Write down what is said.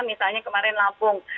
misalnya kemarin lampung